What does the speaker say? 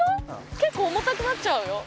結構重たくなっちゃうよ。